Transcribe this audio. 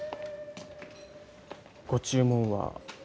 ご注文は。